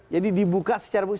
jadi dibuka secara publik